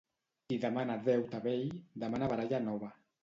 Qui demana deute vell, demana baralla nova.